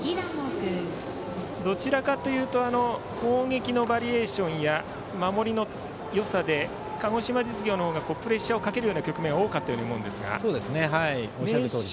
どちらかというと攻撃のバリエーションや守りのよさで鹿児島実業の方がプレッシャーをかけるような局面が多かったように思いますが明秀